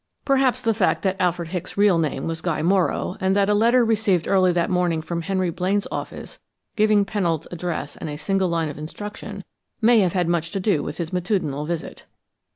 Perhaps the fact that Alfred Hicks' real name was Guy Morrow and that a letter received early that morning from Henry Blaine's office, giving Pennold's address and a single line of instruction may have had much to do with his matutinal visit.